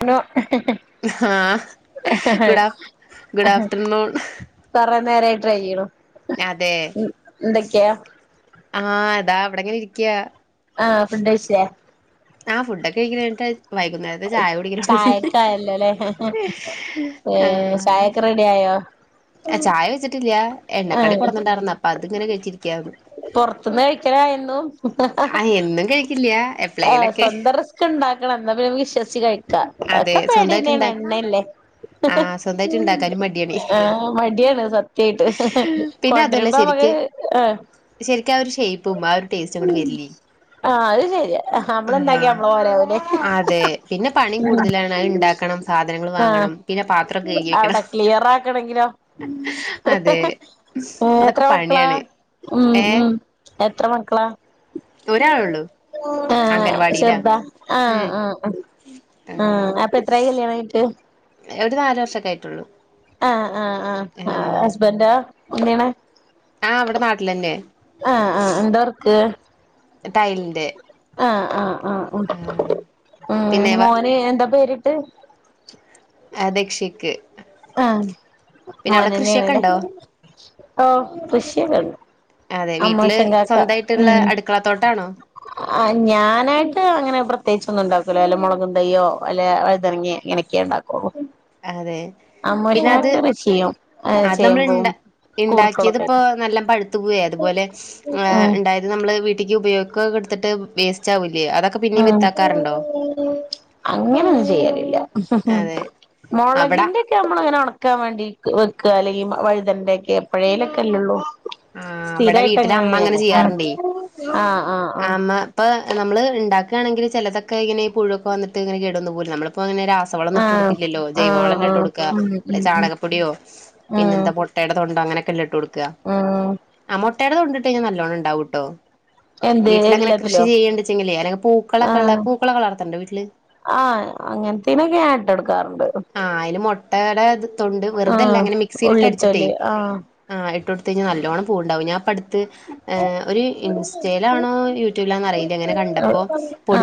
Hello ആഹ് good ആഫ് good afternoon കൊറെ നേരായി try ചെയ്യ്ണു അതെ ആഹ് ഇതാ ഇവിടെങ്ങനെ ഇരിക്ക്യാ ആഹ് ഫുണ്ടഴിച്യാ ആഹ് ഫുഡ് ഒക്കെ കഴിക്കല് കഴിഞ്ഞിട്ട് വൈുകുന്നേരത്തെ ചായ കുടിക്കലൊടങ്ങി അല്ലലെ ആഹ് [unintelligible] ടിയായോ ആഹ് ചായ വെച്ചിട്ടില്ല്യ എണ്ണക്കടി കൊട്ന്ന്ണ്ടായിരുന്നു അപ്പൊ അത് ഇങ്ങനെ കഴിച്ചിരി പൊർത്ത്ന്നാ കഴ്ക്കലായെന്നും ആഹ് എന്നും കഴിക്കില്യാ ആഹ് സ്വന്തം റിസ്ക്ണ്ടാക്കണം ന്ന പിനെ മ്ക്ക് വിശ്വസ്ച്ച് കഴിക്കാ അതെ എക്കെ പേട്യനേണ് സ്വന്തായിട്ടുണ്ടാ എണ്ണല്ലേ ആഹ് സ്വന്തായിട്ട് ഇണ്ടാക്കാനും മടിയാണ് ആഹ് മട്യാണ് സത്യായിട്ട് കൊണ്ട്രരുമ്പൊമ്ക്ക് ആഹ് ശരിക്ക്‌ ആഹ് ഒരു ഷൈപ്പും ആഹ് ഒരു ടേസ്റ്റുങ്ങട്ട് വര്ല്ലി ആഹ് അത് ശരിയാ ഹമ്മള്ണ്ടാക്കിയ യമ്മളെ പോലെ ആവൂലെ അതെ പിന്നെ പണിയും ഉം കൂടുതലാണ് അത് ഇണ്ടാക്കണം സാധനങ്ങൾ ആഹ് വാങ്ങണം പിന്നെ പാത്രൊക്കെ കഴുകി വെക്കണം അവ്ടെ ക്ലിയറാക്കണങ്കിലോ അതെ ഉം അതൊക്കെ എത്ര മക്കളാ പണിയാണ് ഉം ഏ ഉം എത്ര മക്കളാ ഒരാളൊള്ളു ആഹ് ചെർതാ ആഹ് ആഹ് ആഹ് ആഹ് അപ്പത്രായി കല്യാണം കഴിഞ്ട്ട് ഒരു നാല് വർഷൊക്കെ ആയിട്ടുള്ളൂ ആഹ് ആഹ് ആഹ് ആഹ് ഹസ്ബൻൻ്റോ എങ്ങനെ ആഹ് വടെ നാട്ടിലന്നെ ആഹ് ആഹ് ആഹ് ന്താവർക്ക് ടൈൽന്റെ ആഹ് ആഹ് ആഹ് ഉം പിന്നെ ഉം മോന് എന്താ പേരിട്ട് അഹ് ധക്ഷിക്ക് ആഹ് കൃഷിയൊക്കെ മോനന്നെണ്ലേ ഉണ്ടോ ഓ പുഷ്യനാണ് അതെ വീട്ടില് സ്വന്തയിട്ട്ള്ളെ ഉം അട്ക്കളത്തോട്ടാണോ ആഹ് ഞാനായിട്ട് അങ്ങനെ പ്രത്യേകിച്ചൊന്നും ണ്ടാക്കൂല വല്ല മൊളകുതയ്യോ വല്ല വഴുതനങ്ങേ എനിക്കേണ്ടാക്കൊള്ളു അതെ പിന്നെ അത് അമ്മോശൻക്ക്‌ വശിയും ഹ് ചെയ്യും മ്പോവും ഇണ്ടാക്ക്യേത് പ്പൊ നല്ലം പഴ് ത്തുവ്വെ അതുപോലെ ഉം ഇണ്ടായിര് ന്നമ്ള് വീട്ടിക്ക് പയോഗ്ക്കാ കട്ത്ത്ട്ട് വേസ് ചാവുല്യേ അതൊക്കെ പിന്നിം വിത്താക്കാറ്ണ്ടോ അങ്ങനെന്നും ചെയ്യലില്ല അതെ അവിടെ മോളകിന്റെ ക്യ മ്മള് ങ്ങനെ ഒണക്കാവേണ്ടി വെക്കാ അല്ലെങ്കി വഴുതൻന്റെക്കെ എപ്പഴേലൊക്കെല്ലേള്ളൂ ആ അവിടെ വീട്ടില് അമ്മ അങ്ങനെ സ്ഥിരായിട്ടങ്ങനെയ്യലേ ആഹ് ചെയ്യാറുണ്ടേ ആഹ് ആഹ് ആഹ് പ്പ നമ്മള് ണ്ടാക്കാണങ്കില് ചെലതക്കെ ഇങ്ങനെ പുഴൊക്കെ വന്നിട്ട് ങ്ങനെ കേടുവന്നു പോവോലോ നമ്മൾ ഇപ്പൊ അങ്ങനെ രാസ് ആഹ് സവളൊന്നുട്ടൊട്ക്കില്ലല്ലോ ആഹ് ആഹ് ജൈവവള ല്ലെ ഇട്ട് ആഹ് കൊട്ക്കാ ഉം ഉം അല്ലെ ഉം ചണകപ്പൊടിയോ ഉം പിന്നെന്ത പൊട് മുട്ടേടെ തൊണ്ടൊ അങ്ങനെക്കല്ലെ ഇട്ട് കൊട്ക്കാ ഉം ആഹ് മൊട്ടേടെ തൊണ്ട്ട്ടയ്ഞ്ഞാ നല്ലോണംണ്ടാവുട്ടോ എന്ത് വീട്ടിലങ്ങനെ കൃഷി എല്ലാത്തിലോ ചെയ്യേണ്ടെച്ചെങ്കിലേ അല്ലെങ്കെ പൂക്കളെക്കള്ളെ ആഹ് പൂക്കളെ കളർത്ത്ണ്ടോ വീട്ടില് ആഹ് അങ്ങൻത്തേനൊക്കെ ഞാ ഇട്ടോർക്കാറ്ണ്ട് ആഹ് അയില് മുട്ടേടെത് തൊണ്ട് വെറുതല്ല ആഹ് ങ്ങനെ ഉള്ളിത്തോല് മിക്സിലിട്ടടിച്ചിട്ടേയ് ആഹ് ആഹ് ഇട്ടൊട്ത്തയ്ഞ്ഞാ നല്ലോണം പൂവ്ണ്ടാവും ഞാപ്പട്ത്ത് ഒരു ഇൻസ് സ്റ്റേലാണോ യൂറ്റൂബ് ലാന്നറീല്യ ങ്ങനെ കണ്ടപ്പോ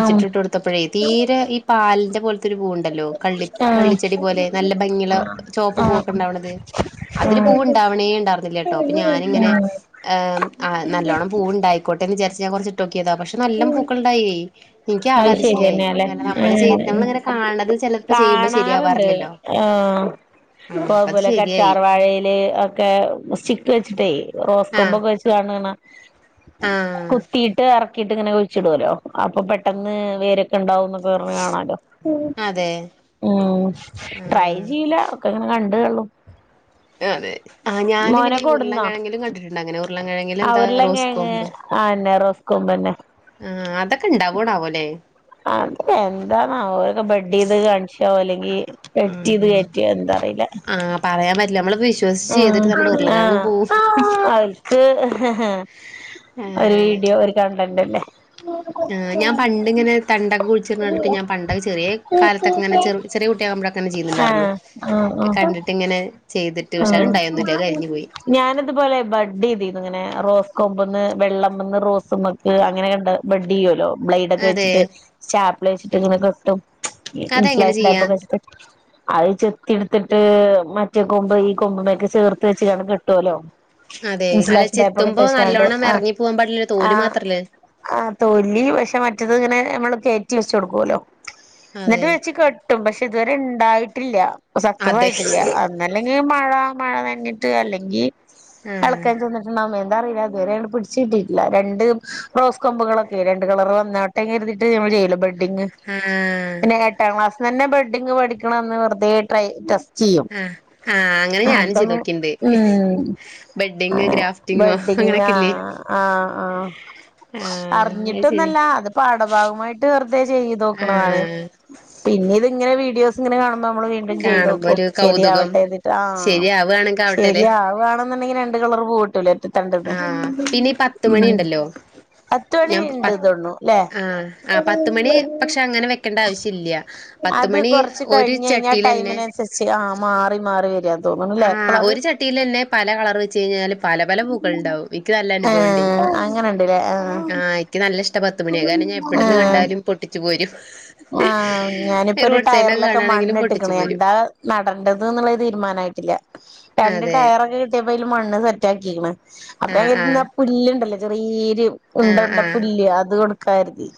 ആഹ് തീരെ ഈ പാൽന്റെ പോൽത്തൊരു പൂവ്ണ്ടല്ലോ കള്ളി ആഹ് കള്ളിച്ചെടി പോലെ നല്ല ഭംഗി ള്ളേ ആഹ് ചോപ്പ് ആഹ് പൂവൊക്കെണ്ടാവ്ണത് അതില് ആഹ് പൂവ്ണ്ടാവ്ണേ ണ്ടാർന്നില്യട്ടോ പ്പഞാനിങ്ങനെ ഏം ആഹ് നല്ലോണം പൂവ് ണ്ടായിക്കോട്ടേന്ന് ജാര്ച്ച് ഞാ കൊർച്ച്ട്ടോക്യെതാ പക്ഷെ നല്ല പൂക്കളുണ്ടായേയ് ഇൻക്യാകെ അത് അതിശയായി ശരിയന്നെയാല്ലേ കാര്നം നമ്മള് ചെ നമ്മള്ങ്ങനെ കാൺണത് ചെലപ്പോ ചെയ്യുമ്പ ശ കാറ്ണ്ട് ആത് ആഹ് അപ്പ അത് കൊഴപുല ശരിയായി കറ്റാർവാഴേല് ക്കെ സ്റ്റിക്ക് വെച്ചിട്ടയ് ആഹ് റോസ്ക്കൊമ്പൊക്കെ വെച്ച് കാൺണാണ ആഹ് കുത്തീട്ട് എർക്കിയിട്ട്ങ്ങനെ ഒഴിച്ചിടുവലൊ അപ്പൊ പെട്ടന്ന് വേരൊക്കെണ്ടാവൊന്ന് വെറ്യേണാലോ അതേ ഉം ട്രൈ ചെയ്യൂല. ഒക്കെങ്ങനെ കണ്ട്തള്ളും. അതെ. ആഹ് ഞാന് പിന്നെ മോനൊക്കെ ഈ കൊടുന്നോ ഉർളൻകെഴങ്ങിലും കണ്ടിട്ട്ണ്ട ങ്ങനെ. ആ ഉർളൻകെഴെങ്ങിലെന്താ ഉരുളക്കിഴങ്ങ് റോസ്കൊമ്പ് ആന്നെ റോസ് കൊമ്പെന്നെ. ആഹ് അതെക്കെ ണ്ടാവോണാവൊ ലേ? അതൊക്കെ എന്താണാവോ? തൊ ബെഡൈത് കാൺച്ചാവോ അല്ലെങ്കീ എഡിറ്റൈത് കേറ്റാ. എന്താറീല പറയാം പറ്റ്ല. അമ്മള്ത് വിശ്വസിച്ചെയ്ത്ട്ട് നമ്മ്ടെ ഉർളക്കെഴങ്ങും പോവും ക്ക് ഒരു ഏഹ് വീഡിയോ ഒര് കണ്ടൻ്റെല്ലെ. ആഹ് ഞാൻ പണ്ട്ങ്ങനെ തണ്ടൊക്കെ കുഴിച്ച്ട്ണെണ്ടിട്ട് ഞാൻ പണ്ടൊക്കെ ചെറ്യേ കാൽത്തൊക്കെങ്ങനെ ചെറ് ചെറ്യേ കുട്ടിയാകുമ്പഴൊക്കെങ്ങനെ ചെയ്യ്ന്ന് ണ്ടാർന്ന്. ആഹ് ആഹ് ആഹ് കണ്ടിട്ട്ങ്ങനെ ചെയ്തിട്ട് പക്ഷേ അഹ് ണ്ടായൊന്നുല്ല. അത് കരിഞ്ഞ് പോയി. ഞാനത്പോലെ ബഡ്ഡിയ്തീന്നുങ്ങനെ റോസ് കൊമ്പ്ന്ന് വെള്ളമ്മന്ന് റോസ്മ്മ ക്ക് അങ്ങനെ കണ്ട് ബെഡ്ഡെ യ്യൂലോ? ബ്ലൈഡൊക്കെ അതെ വെച്ച്ട്ട് സ്റ്റാപ്പില് വെച്ചിട്ട്ങ്ങനെ കെട്ടും. അതെങ്ങനെ ഇൻസ്ലേഷൻ ചെയ്യാ ടേപ്പൊക്കെ വെച്ച്ട്ട്. അഹ് ചെത്തിയെട്ത്തിട്ട് മറ്റെ കൊമ്പ് ഈ കൊമ്പ്മ്മേക്ക് ചേർത്ത് വെച്ച്കാണ്ട് കെട്ടോലോ അതേ. അല്ല ചെത്തുമ്പൊ നല്ലോണ്ണം ആഹ് എർങ്ങി പോവാം പാടില്ലല്ലൊ തോല് ആഹ് മാത്രല്ലേ. ആഹ്. തൊലി പക്ഷെ മറ്റത്ങ്ങനെ മ്മള് കേറ്റി വെച്ചൊട്ക്കോലൊ. ന്നെട്ട് അതെ വെച്ച് കെ ട്ടും. പക്ഷെ ത് വരെണ്ടായിട്ടില്ല്യാ. സക്സ അതെ സായിട്ടില്ല. ന്നെല്ലെങ്കി മഴ. മഴ നൻഞ്ഞിട്ട് അല്ലെങ്കി ആഹ് എൾക്കേ [unintelligible] ണ്ണം എന്താറിയീലാ ത് വരേണ്ട് പിടിച്ചിട്ടിട്ട്ല്ല. രണ്ട് റോസ് കൊമ്പ്കളൊക്കെ, രണ്ട് കളറ് വന്ന കര്തിട്ട് നമ്മൾ ചെയ്യെല്ലൊ ബെ പിന്നെ? ആഹ് പിന്നെ എട്ടാം ക്ലാസ്ന്നെന്നെ ബെഡിങ് പഠിക്ക്ണന്ന് വെറ്‌തേ ട്രൈ ടെസ്റ്റെയ്യും. അഹ്. ആഹ് അങ്ങനെ ഞാനും ചെയ്തോക്കീണ്ട്. ഉം ബെഡിങ്, ഗ്രാഫ്റ്റിങ് അങ്ങനെ ക്കെല്ലേ. ആഹ് ആഹ്. അത് ശരിയാ അർഞ്ഞ്ട്ടൊന്നല്ലാ. അത് പാഠഭാഗോമായിട്ട് വെർതെ ചെയ്തോക്ക്ണതാണ്. ആഹ് പിന്നെ ത്ങ്ങനെ വീഡിയോസ്ങ്ങനെ കാണ് മ്പം അമ്മള് വീണ്ടും കാണുമ്പോ ചെയ്ത്തോക്കും. ഒരു ശരിയാവ കൗതുകം ചെയ്ത്ട്ട് ആഹ് ശരിയാവുകയാണെങ്കിൽ ആവട്ടെല്ലേ ശരിയാവാണെന്ന്ണ്ടെങ്കില് രണ്ട് കളറ് പൂവ്ട്ടൂലെ രണ്ട് ആഹ് പിന്നെ ഈ പത്ത് മണി ഉണ്ടല്ലോ [unintelligible] അത്തൊണി ഞാൻ പ ണ്ട് തോണ്ണു ലെ? ആഹ് ആ പത്ത് മണി പക്ഷെ അങ്ങനെ വെക്കേണ്ട ആവശ്യം ഇല്ല പത്ത് അത് മണി കൊർച്ച് ഒരു കഴിഞ്ഞെയ്ഞ്ഞാ ചട്ടിൽ തന്നെ ടൈമ്നൻസര്ച്ച് ആഹ് മാറി, മാറി വെരാ ആഹ് ഒര് ചട്ടീലെന്നെ പല കളറ് വെച്ചെഴിഞ്ഞാല് പല, പല പൂക്കൾ ണ്ടാവും ഇ ക്ക് നല്ല അനുഭവണ്ട്. ഏഹ് അങ്ങനെണ്ട്ല്ലേ ആഹ് ക്ക് നല്ല ഇഷ്ട പത്ത്മണി. കാരണം ഞാ എവെടെന്ന് ആഹ് കണ്ടാലും പൊട്ടി ച്ച് പോരും. ആഹ് ഞാന് പ്പൊരു റോഡ് സൈഡിലൊക്കെ ടയർലൊക്കെ കാണാണെങ്കിലും പൊട്ടിച്ചു മണ്ണ്ട്ട്ക്ണ് പോരും എന്താ. നടണ്ടത് ന്ന് ള്ളെര് തീര്മാനായിട്ടില്ല. രണ്ട് അതെ ടയറൊക്കെ കിട്ടിയപ്പെയില് മണ്ണ് സെറ്റാക്കീണ്. അപ്പൊ ആഹ് അയിര്ന്ന ആഹ് പുല്ല്ണ്ടല്ലോ ചെറീര് ഉണ്ട, ആഹ് ഉണ്ട ആഹ് പുല്ല് അത് കൊട്ക്കാര്തി.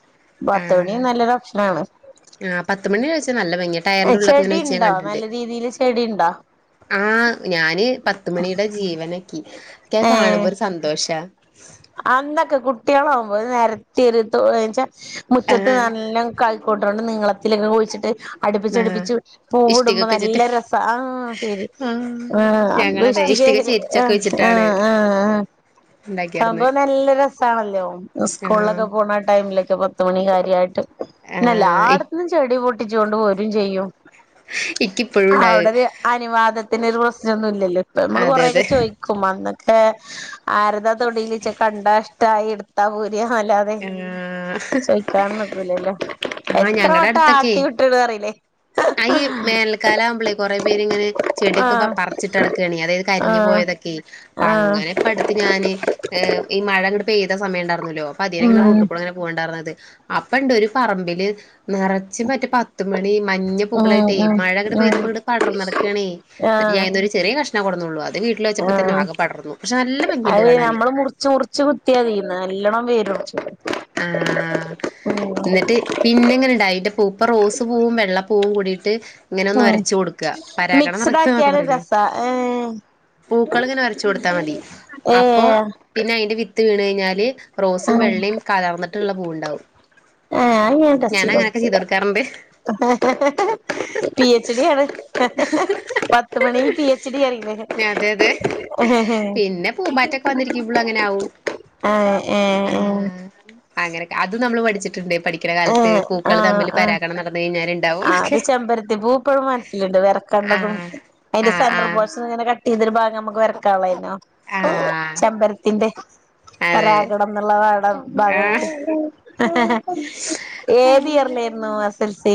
പത്തു മണി നല്ലൊരൊപ് ആഹ് പത്ത് മണി വെച്ചാ നല്ല ഭംഗിയ. ടയർന്റുള്ളൊക്കെ ഇങ്ങനെ വെച്ച് ഞാ ചെടിണ്ടോ കണ്ടിട്ട്ണ്ട്. നല്ല രീതിയില് ചെടിണ്ടോ ആഹ് ഞാന് പത്ത്മണിടെ ജീവനാക്കി. ക്ക ഹ്‌ ഏഹ് കാണുമ്പൊരു സന്തോഷാ. അന്നൊക്കെ കുട്ട്യേളാവുമ്പൊ നെരത്തി ര് തൊ ച്ചെ ആ മുറ്റത്ത് നല്ലൊം കൈ കോട്ടോണ്ട് നീളത്തിലൊക്കെ കുഴിച്ചിട്ട്. ആ അടുപ്പിച്ചടുപ്പിച്ച് പൂവിടുമ്പോ ഇഷ്ടികൊക്കെ വെച്ചിട്ട് നല്ല രസ ആ ശരി ആ ആ അത് പ്പൊ ഞങ്ങളതെ ഇഷ്ടികേ ഇഷ്ടിക എ അ ചെരിച്ചൊക്കെ വെച്ചിട്ടാണ് ആആ ആ ഉണ്ടാക്കിയാർന്ന് സംഭവം നല്ല രസാണല്ലോ ആ സ്കൂളിലൊക്കെ പോണ ടൈമിലൊക്കെ പത്തുമണി കാര്യായിട്ട്. ആ ന്നെല്ലാട്ത്ത്ന്നും ചെടി പൊട്ടിച്ചോണ്ട് പോരും ചെയ്യും. ഇക്കിപ്പോഴും ഉണ്ടാത് അവടൊരു അനുവാദത്തിന് ഒരു പ്രശ് നൊന്നുല്ലല്ലോ ഇപ്പൊ നമ്മള് അതെ കൊറേക്കെ അതെ ചോയ്ക്കും അന്നൊക്കെ ആരതാ തൊടീല് ച്ച കണ്ടാ ഷ്ടായിട് ട്ടാ പോരാ ന്നല്ലാതെ ആ ചോയിക്കാനൊന്നും നിക്കൂലല്ലോ ആ എത്ര ഞങ്ങടെ വട്ട അടുത്തൊക്കെ ആട്ടി വ്ട്ട്ണ് അറീലെ. ആ ഈ വേനൽക്കാല ആവുമ്പളേ കുറെ പേര് ഇങ്ങനെ ചെടിയൊക്കെ ആഹ് പറിച്ചിട്ടട്ക്കാണെ അതായത് കരിഞ്ഞു ആഹ് പോയതൊക്കെ. ആഹ് പ്പൊങ്ങനെ. ഇപ്പട്ത്ത് ഞാന് ഏ ഈ മഴങ്ങട് പെയ്ത സമയണ്ടാർന്നല്ലോ അപ്പൊ അതേനെങ്ങനെ ഉം റോട്ട് ക്കൂടെ ങ്ങനെ പോയിണ്ടാർന്നത് അപ്പണ്ട് ഒരു പറമ്പില് നിറ ച്ച് മറ്റേ പത്ത് മണി മഞ്ഞ ഉം പൂക്കളായിട്ടേ ഉം മഴ ഇങ്ങട്ട് പെയ്തപ്പോ പടർന്ന് കട്ക്കാണേ. ആ ചെറിയ കഷ്ണം കൊട്ന്നുള്ളൂ അത് വീട്ടിൽ വെച്ചപ്പോ തെന്നെ ആകെ പടർന്നു പക്ഷെ നല്ല ഭംഗിണ്ട് കാണാന്. ച്ച് മുർച്ച് കുത്യാതി നല്ലൊണം വേര് പുടിച്ചും ആ ന്ന്ട്ട് പിന്നെ ങ്ങനെണ്ടായിട്ട് ഇപ്പ റോസ് പൂവും വെള്ളപ്പൂവും കൂടിട്ട്. ഇങ്ങനൊന്ന് ഉം ഒരച്ചു കൊട് ക്ക പരാഗണം മിക്സ്ഡ് നടത്ത ന്നൊക്കെ ആക്കിയാല് പറീലെ. രസാ ഏഹ് പൂക്കള് ങ്ങനെ ഒരച്ച് കൊടുത്താ മതി അപ്പോ ഏഹ് പിന്നെ അയിന്റെ വി ത്ത് വീണ് കഴിഞ്ഞാല് റോസും ആഹ് വെള്ളേം കലർന്നിട്ടുള്ള പൂവുണ്ടാവും. ആഹ് അത് ഞാൻ ടച്ച് ഞാനങ്ങനൊക്കെ നോക്കിട്ടില്ല ചെയ്ത് കൊട്ക്കാർണ്ട് പി എച്ച് ഡി ആണ് പത്ത് മണി പിഎച്ച് ഡി അറീലെ. നതെ അതെ പിന്നെ പൂമ്പാറ്റൊക്കെ വന്നിരിക്കുമ്പളും അങ്ങനെ ആവും. ആ ഏ ഏ അങ്ങനെക്കെ അത് നമ്മള് പഠിച്ചിട്ടുണ്ട് പഠിക്ക്ണ കാലത്ത് ആഹ് പൂക്കള് തമ്മില് പരാഗണം നടന്ന് കയിഞ്ഞാല്. ആ അത് ചെമ്പരത്തി പൂ ഇപ്പഴും മനസ്സിലുണ്ട് വെരക്കണ്ടതും ആഹ് അതിന്റെ ആഹ് സെന്റെർ ആഹ് പോഴ്സ് ഇങ്ങനെ ക ട്ടീതൊരു ഭാഗം മ്മക്ക് വെരക്കാള്ളായിനോ ആഹ് ചെമ്പര്ത്തിന്റെ അതെ പരാഗണം ന്ന്ള്ള പാഠം ഭാഗായിട്ട്. ആഹ് ഏത് ഇയർലേര്ന്നു എസ് എൽ സി?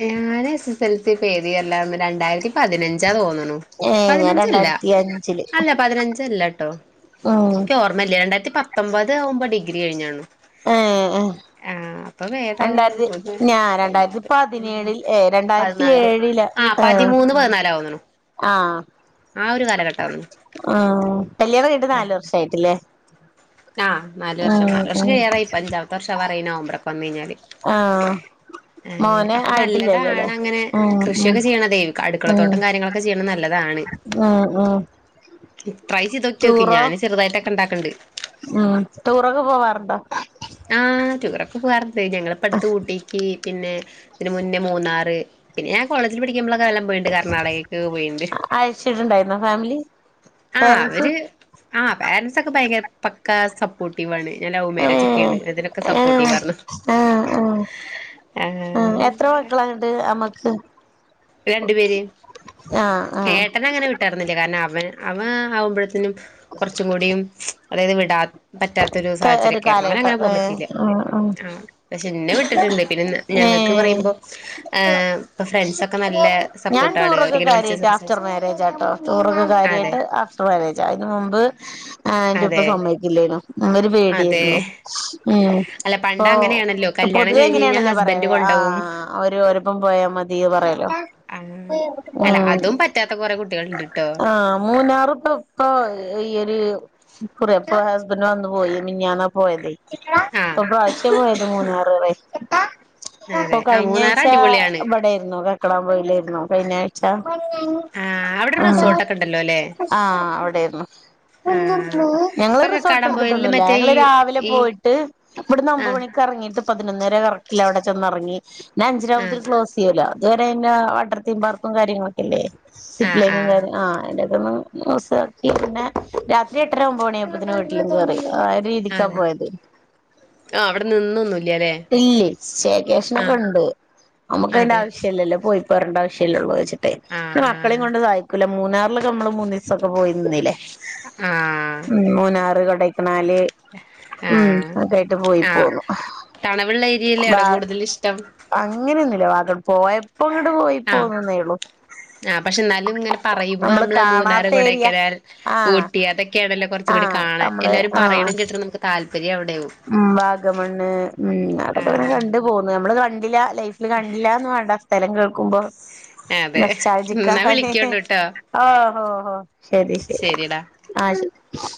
ഞാന് എസ് എസ് എൽ സി പ്പേതിയർ ലായിരുന്നു രണ്ടായിരത്തി പതിനഞ്ചാ തോന്ന്ണു. ഏഹ് ഞാൻ പതിനഞ്ചല്ല രണ്ടായിരത്തി അഞ്ചില് അല്ല പതിനഞ്ചല്ലാട്ടോ ഉം ഇക്ക്യോ ർ മല്ല്യ രണ്ടായിരത്തിത്തൊമ്പത് ആവുമ്പോ ഡിഗ്രി കഴിഞ്ഞാണ്ണു ഏഹ് ഏഹ് ആ അപ്പൊ വേദാ രണ്ടായിരത്തി വൂഇങ്ങൾത് ഞാൻ രണ്ടായിരത്തി പയിനാർ. പതിനേഴിൽ ഏ രണ്ടായിരത്തി പതിനാല് ഏഴില് ആ ഏ പതിമൂന്ന് പതിനാലാ തോന്നണു. ആ ഒരു കാലഘട്ട തോന്ന് ണ്. ആ കല്യാണം കയിഞ്ഞിട്ട് നാലു വർഷ ആയിട്ട് ലേ. ആ നാല് വർഷം നാല് വർഷം ഉം കയ്യാറായി ഇപ്പ ഞ്ചാമത്തെ വർഷം ആകാറായി ഈ നവംബർ ക്ക് വന്ന് കഴിഞ്ഞാല്. ആ അങ്ങനെ അപ്പൊ നല്ലതാണങ്ങനെ ഉം ഉം കൃഷിയൊക്കെ ചെയ്യണത് അടുക്കളത്തോട്ടം കാര്യങ്ങളൊക്കെ ചെയ്യണത് നല്ലതാണ് ആ ആ ഇട്രൈ ചെയ്തോക്കോക്കി ഞാന് ചെറുതായിട്ടൊക്കെ ഉണ്ടാക്കണ്ട് ഉം ടൂറൊക്കെ പോവാറുണ്ടോ ആഹ് ടൂറൊക്കെ പോകാറുണ്ട് ഞങ്ങളിപ്പ അടുത്ത് ഊട്ടിക്ക് പിന്നെ ഇതിന് മുന്നേ മൂന്നാറ് പിന്നെ ഞാൻ കോളേജിൽ പഠിക്കുമ്പോളൊക്കെ പോയിണ്ട് കർണാടകക്ക് പോയിണ്ട് അയച്ചിട്ടുണ്ടായിരുന്നോ ഫാമിലി ആ പേരൻസ് അവര് ആ പേരന്സൊക്കെ ഭയങ്കര പക്കാ സപ്പോ സപ്പോർട്ടീവ് ആണ് ഞാൻ ലവ് മാരേജ് ഏഹ് ഒക്കെയാണ് അതിനൊക്കെ ഏഹ് സപ്പോർട്ടീവ് ആര്ന്ന് ആഹ് ആഹ് ആഹ് ണ്ട് അമക്ക് രണ്ടു പേര് ആഹ് ഏട്ടന ആഹ് അങ്ങനെ വിട്ട ഇട്ടിരുന്നില്ല കാരണം അവൻ അവ ആവുമ്പോഴത്തനും കുറച്ചും കൂടിയും അതായത് വിടാ പറ്റാത്ത ഒരു സാഹചര്യംക്കെയാ യിരുന്നു അവനങ്ങനെ കാലഘട്ടം പോകാൻ ഏഹ് പറ്റിയില്ല ആഹ് ആഹ് ആ പക്ഷെ എന്നെ വിട്ടിട്ടുണ്ട് പിന്നെ ഇ ഏ ഞങ്ങൾക്ക് പറയുമ്പോൾ ഇപ്പോ ഫ്രണ്ട്സ്ക്കെ ഞാൻ ടൂറൊക്കെ കാര്യമായിട്ട് ആഫ്റ്റർ സംസാരിച്ച് മാരേജ് ആട്ടോ ടൂറൊക്കെ അതെ കാര്യായിട്ട് മാരേജ് ആയിരുന്നു അതിന് മുമ്പ് എന്റെ ഉപ്പ അതെ സമ്മതിക്കില്ലേയ്ന് അന്നൊരു അതെ പേടിയാരുന്നു ഉം അല്ല പണ്ട് അങ്ങനെയാണല്ലോ അപ്പ കല്യാണം പൊതുവെ കഴിഞ്ഞ് കഴിഞ്ഞാൽ അങ്ങനെയാണല്ലോ ഹസ്ബൻഡ് പറയ് കൊണ്ടോവും ആഹ് ഓര് വരുമ്പം പോയാ മതി പറയാലോ ആ അല്ല ഉം അതും പറ്റാത്ത കൊറെ കുട്ടികളുണ്ട് ട്ടോ ആഹ് മൂന്നാറ് ഇപ്പ പ്പോ ഈ ഒരു കുറപ്പൊ ഹസ്ബൻഡ് വന്നു പോയി മിഞ്ഞാന്നാ പോയതേ ആ ഇപ്പോ പ്രാവശ്യം പോയത് മൂന്നാറ് വര ഇപ്പൊ അതെ ആ മൂന്നാറ് കഴിഞ്ഞാഴ്ച അടിപൊളിയാണ് ഇവിടെയായിരുന്നു കക്കാടം പോയിയിലായിരുന്നു കഴിഞ്ഞ ആഴ്ച ആ അവിടെ ഉം റിസോർട്ടൊക്കെ ഉണ്ടല്ലോ അല്ലേ ആഹ് അവിടെയായിരുന്നു ആഹ് ഞങ്ങള് ഇപ്പൊ റിസോർട്ട് കക്കാടം പോയലില് എടുത്തിട്ടൊന്നുല്ല മറ്റേ ഈ ഞങ്ങള് രാവിലെ ഈ പോയിട്ട് ഇവിടുന്ന് ഒമ്പത് ആഹ് മണി ഇറങ്ങിയിട്ട് പതിനൊന്നര കറക്റ്റിൽ അവിടെ ചെന്ന് ഇറങ്ങി പിന്നെ അഞ്ചര ആഹ് ആകുമ്പോത്തിന് ക്ലോസ്- ലോ അതുവരെ അതിന്റെ വാട്ടർ തീം പാർക്കും കാര്യങ്ങളൊക്കെല്ലേ ആഹ് സിപ്ലൈനും ആഹ് കാര്യ ആ അന്റെക്കൊന്ന് സത്യം പിന്നെ രാത്രി എട്ടര ഒമ്പത് മണി ആകുമ്പോതിന് വീട്ടിലും കേറി ആ രീതിക്കാ അതെ പോയത് ആഹ് അവിടെ നിന്നൊന്നുല്ല അല്ലേ ഇല്ലേ സെഗേഷനൊക്കേണ്ട് അമ്മക്ക് അതിന്റെ അതെ ആവശ്യല്ലല്ലോ പോയി പോരെണ്ട ആവശ്യമല്ലേള്ളൂ അതിച്ചിട്ട് ആഹ് മക്കളെയും ആഹ് കൊണ്ട് സായിക്കൂല മൂന്നാറിലൊക്കെ നമ്മള് മൂന്നീസക്കെ പോയി നിന്നില്ലേ ആഹ് ഉം മൂന്നാറ് കൊടൈക്കനാല് ഉം ഒക്കൊയിട്ട് പോയി പോന്നു തണ്വെള്ള ഏരിയില് വാ ആണോ കൂടുതൽ ഇഷ്ടം അങ്ങനെയൊന്നുമില്ല വാത പോയപ്പോ ഇങ്ങട്ട് പോയി ആഹ് പോന്നന്നേള്ളു ആഹ് പക്ഷെ എന്നാലും ഇങ്ങനെ പറയുമ്പോ നമ്മള് മൂന്നാറ് കാണാത്ത ഏരിയ കൊടൈക്കനാൽ ആഹ് ഊട്ടി അതൊക്കെ കേടല്ല കുറച്ച് കൂടി ആഹ് കാണാൻ നമ്മള് എല്ലാവരും ആഹ് പറയണ കേട്ടിട്ട് നമുക്ക് താല്പര്യം അവിടെയാകും ഉം വാഗമണ്ണ് ഉം അതൊക്കെ കണ്ട് പോന്നു നമ്മള് കണ്ടില്ല ലൈഫില് കണ്ടില്ലന്ന് വേണ്ട സ്ഥലം കേൾക്കുമ്പോ അതെ എന്നാ നൊസ്റ്റാൾജിയക്കെ വിളിക്കോണ്ടുട്ടോ ഓഹോ ഹോ ശരി ശരി ശരിടാ ആഹ് ശരി